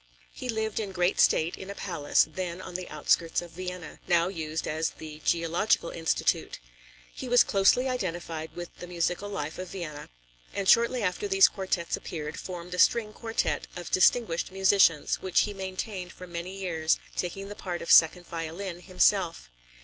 He lived in great state in a palace, then on the outskirts of Vienna, now used as the Geological Institute. He was closely identified with the musical life of Vienna, and shortly after these quartets appeared, formed a string quartet of distinguished musicians, which he maintained for many years, taking the part of second violin himself.